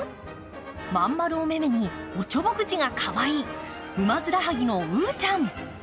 真ん丸おめめにおちょぼ口がかわいいウマヅラハギのうーちゃん。